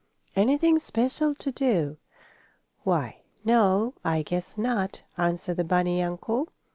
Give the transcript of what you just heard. "Anything special to do? Why, no, I guess not," answered the bunny uncle.